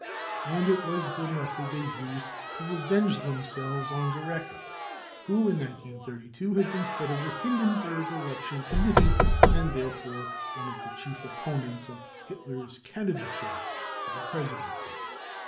33 * And it was the method they used to revenge themselves on Gerecke, w}io in 1932 had been head of the Hindenburg election committee and therefore one of the chief opponents of Hitler's candidature for the presidency.